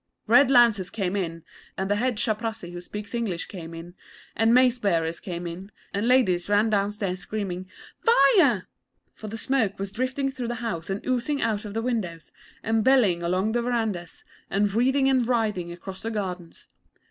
Red Lancers came in, and the head Chaprassi who speaks English came in, and mace bearers came in, and ladies ran downstairs screaming, 'Fire'; for the smoke was drifting through the house and oozing out of the windows, and bellying along the verandahs, and wreathing and writhing across the gardens.